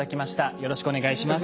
よろしくお願いします。